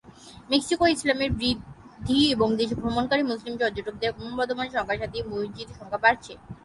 মেক্সিকোয় ইসলামের বৃদ্ধি এবং দেশে ভ্রমণকারী মুসলিম পর্যটকদের ক্রমবর্ধমান সংখ্যার সাথে এই মসজিদের সংখ্যা বাড়ছে।.